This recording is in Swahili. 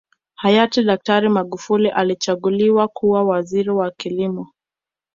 Hayati daktari Magufuli alichaguliwa kuwa Waziri wa kilimo